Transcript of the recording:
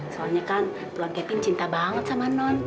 soalnya kan buan kevin cinta banget sama non